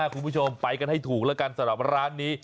คุณผู้ชมไปกันให้ถูกแล้วกันสำหรับร้านนี้